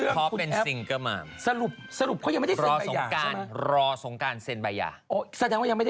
กลับมากับข่าวใส่ไข่ฮะ